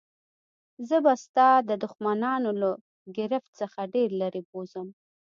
زه به تا ستا د دښمنانو له ګرفت څخه ډېر لیري بوزم.